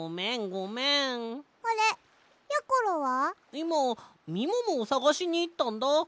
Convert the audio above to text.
いまみももをさがしにいったんだ。